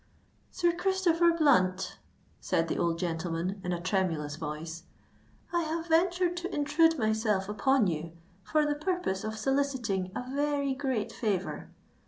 "Sir Christopher Blunt," said the old gentleman, in a tremulous voice, "I have ventured to intrude myself upon you, for the purpose of soliciting a very great favour.